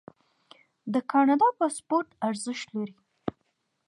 د کاناډا پاسپورت ارزښت لري.